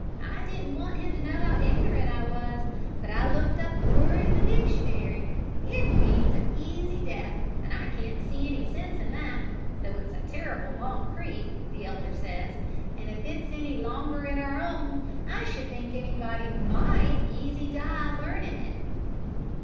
I didn't want him to know how ignorant I was, but I looked up the word in the dictionary. It means easy death, and I can't see any sense in that, though it's a terrible long creed, the Elder says, an' if it's any longer 'n ourn, I should think anybody might easy die learnin' it!"